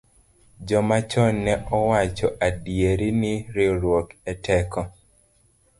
Joma chon ne owacho adieri ni riwruok e teko.